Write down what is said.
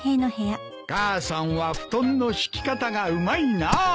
母さんは布団の敷き方がうまいな。